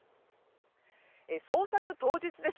捜索当日です。